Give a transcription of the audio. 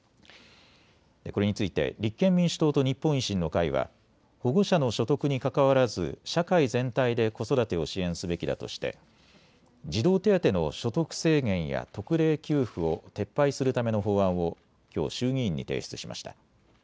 これについて立憲民主党と日本維新の会は保護者の所得にかかわらず社会全体で子育てを支援すべきだとして児童手当の所得制限や特例給付を撤廃するための法案をきょう、衆議院に提出しました。